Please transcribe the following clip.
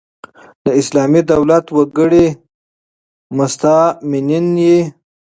د اسلامي دولت وګړي مستامنین يي.